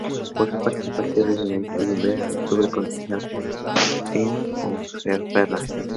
Por su parte el Partido Regionalista de El Bierzo obtuvo un concejal en Ponferrada.